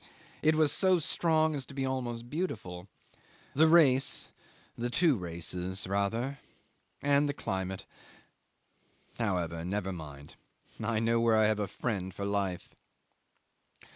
It was so strong as to be almost beautiful. The race the two races rather and the climate ... However, never mind. I know where I have a friend for life.